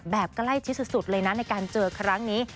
แบบใกล้ชิดสุดเลยนะในการเจอครั้งนี้